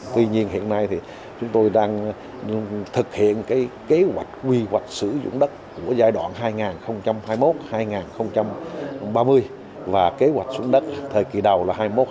tuy nhiên hiện nay thì chúng tôi đang thực hiện cái kế hoạch quy hoạch sử dụng đất của giai đoạn hai nghìn hai mươi một hai nghìn ba mươi và kế hoạch sử dụng đất thời kỳ đầu là hai mươi một hai mươi năm